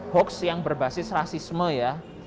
hoax yang berbasis rasisme ya